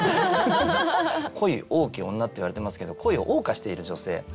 恋多き女っていわれてますけど恋をおう歌している女性。